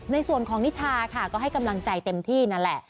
ในส่วนของนิชาค่ะก็ให้กำลังใจเต็มที่นั่นแหละ